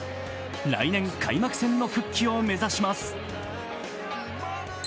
来年、開幕戦の復帰を目指します。